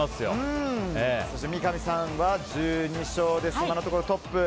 三上さんは１２勝で今のところトップ。